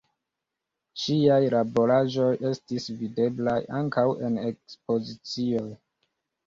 Ŝiaj laboraĵoj estis videblaj ankaŭ en ekspozicioj.